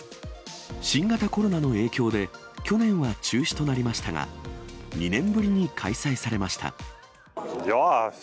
新型コロナの影響で、去年は中止となりましたが、２年ぶりに開催されました。